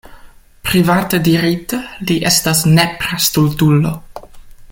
Private dirite, li estas nepra stultulo.